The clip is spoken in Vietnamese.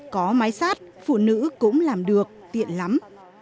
có máy sát phụ nữ cũng làm được tiện lắm